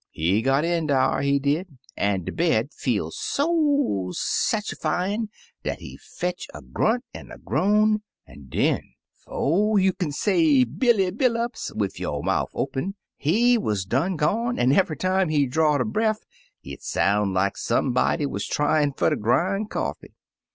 He got in dar, he did, an* de bed feel so satchifyin* dat he fetch a grunt an* a groan, an* den, *fo* you kin say Billy Billups, wid yo* mouf open, he wuz done gone, an* eve*y time he drawed a breff it soun* like somebody wuz tryin* fer ter grin* coffee.